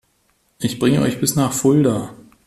Ich bringe euch bis nach Fulda